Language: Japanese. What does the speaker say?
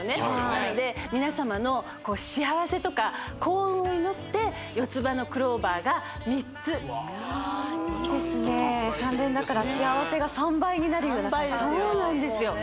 なので皆様の幸せとか幸運を祈って４つ葉のクローバーが３ついいですね３連だから幸せが３倍になるような感じがしますねそうなんですよ